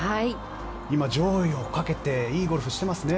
今、上位をかけていいゴルフをしてますね。